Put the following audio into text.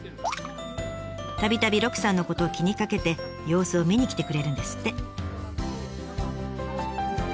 たびたび鹿さんのことを気にかけて様子を見に来てくれるんですって。